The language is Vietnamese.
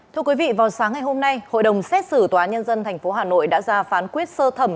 thưa quý vị vào sáng ngày hôm nay hội đồng xét xử tòa nhân dân tp hà nội đã ra phán quyết sơ thẩm